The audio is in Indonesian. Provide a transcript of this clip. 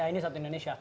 ya ini satu indonesia